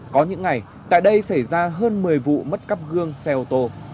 có những ngày tại đây xảy ra hơn một mươi vụ mất cắp gương xe ô tô